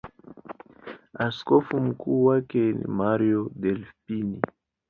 Askofu mkuu wake ni Mario Delpini.